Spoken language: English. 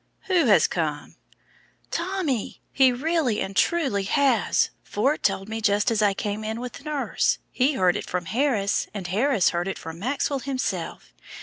"Who has come?" "Tommy he really and truly has. Ford told me just as I came in with nurse. He heard it from Harris, and Harris heard it from Maxwell himself.